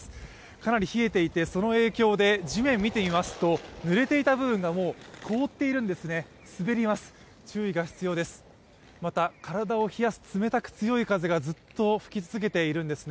かなり冷えていて、その影響で地面を見てみますと濡れていた部分がもう凍っているんですね。